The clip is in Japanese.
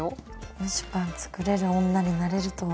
蒸しパン作れる女になれるとは。